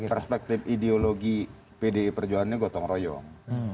perspektif ideologi pdi perjuangannya gotong royong